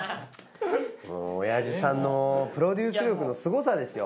もう親父さんのプロデュース力のすごさですよ。